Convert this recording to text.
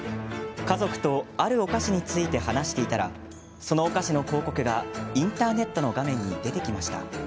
家族とあるお菓子について話していたらそのお菓子の広告がインターネットの画面に出てきました。